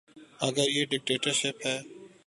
اگر یہ ڈکٹیٹرشپ ہے۔